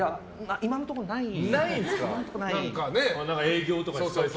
今のところないですね。